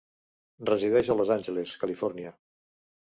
Resideix a Los Angeles, Califòrnia.